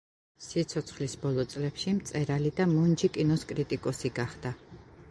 სიცოცხლის ბოლო წლებში, მწერალი და მუნჯი კინოს კრიტიკოსი გახდა.